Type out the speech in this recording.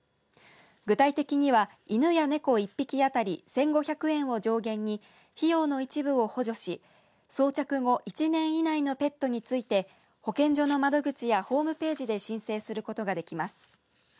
具体的には犬や猫１匹当たり１５００円を上限に費用の一部を補助し装着後１年以内のペットについて保健所の窓口やホームページで申請することができます。